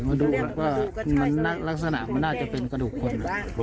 มาดูแบบว่ามันนักลักษณะมันน่าจะเป็นกระดูกคนอ่ะ